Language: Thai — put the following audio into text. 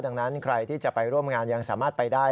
ดังนั้นใครที่จะไปร่วมงานยังสามารถไปได้